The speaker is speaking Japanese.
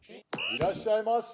いらっしゃいませ！